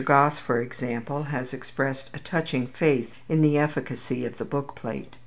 Gosse, for example, has expressed a touching faith in the efficacy of the book plate.